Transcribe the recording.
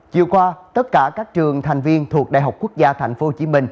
chiều qua tất cả các trường thành viên thuộc đại học quốc gia tp hcm